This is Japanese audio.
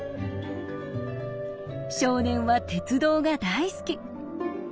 少年は鉄道が大好き。